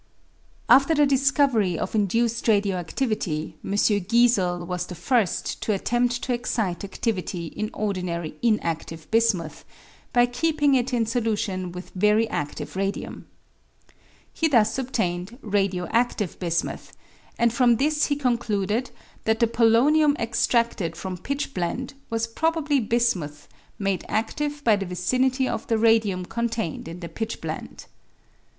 After the discovery of induced radio adivity, M. Giesel was the first to attempt to excite adlivity in ordinary in adive bismuth by keeping it in solution with very adlive radium. He thus obtained radio aftive bismuth, and from this he concluded that the polonium extracted from pitch blende was probably bismuth made adtive by the vicinity of the radium contained in the pitchblende.